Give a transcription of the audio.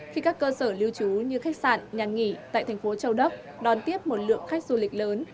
khi các cơ sở lưu trú như khách sạn nhà nghỉ tại thành phố châu đốc đón tiếp một lượng khách du lịch lớn